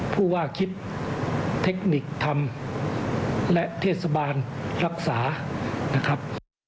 ผู้ว่าคิดเทคนิคทำและเทศบาลรักษานะครับ